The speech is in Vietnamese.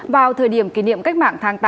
vào thời điểm kỷ niệm cách mạng tháng tám